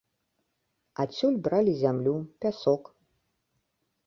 Адсюль бралі зямлю, пясок.